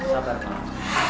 pak sabar pak